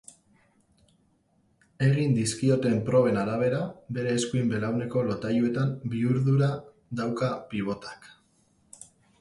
Egin dizkioten proben arabera, bere eskuin belauneko lotailuetan bihurdura dauka pibotak.